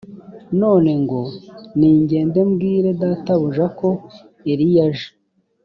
none ngo ningende mbwire databuja ko eliya aje